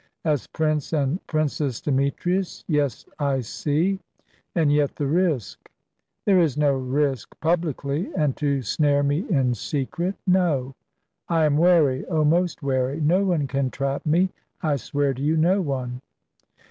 "As Prince and Princess Demetrius. Yes, I see. And yet the risk." "There is no risk, publicly. And to snare me in secret no. I am wary oh, most wary; no one can trap me. I swear to you, no one."